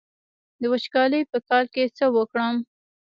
د وچکالۍ په کال کې څه وکړم؟